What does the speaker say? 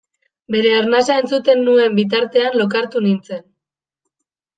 Bere arnasa entzuten nuen bitartean lokartu nintzen.